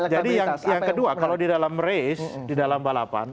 jadi yang kedua kalau di dalam race di dalam balapan